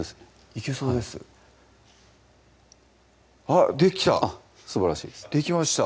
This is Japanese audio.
いけそうですあっできたすばらしいですできました